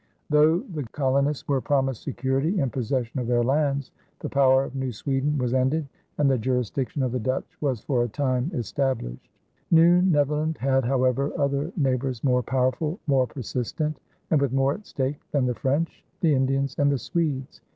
Though the colonists were promised security in possession of their lands, the power of New Sweden was ended, and the jurisdiction of the Dutch was for a time established. New Netherland had, however, other neighbors more powerful, more persistent, and with more at stake than the French, the Indians, and the Swedes.